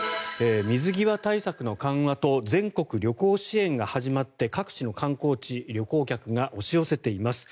水際対策の緩和と全国旅行支援が始まって各地の観光地旅行客が押し寄せています。